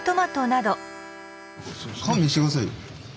勘弁して下さいよ。